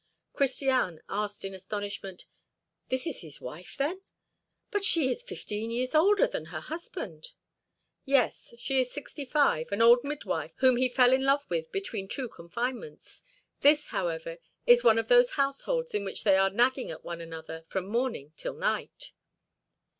Christiane asked in astonishment: "This is his wife, then? But she is fifteen years older than her husband." "Yes, she is sixty five an old midwife whom he fell in love with between two confinements. This, however, is one of those households in which they are nagging at one another from morning till night."